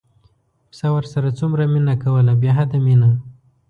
پسه ورسره څومره مینه کوله بې حده مینه.